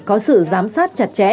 có sự giám sát chặt chẽ